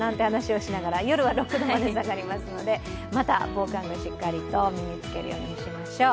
夜は６度まで下がりますので、また防寒具しっかりと身に付けるようにしましょう。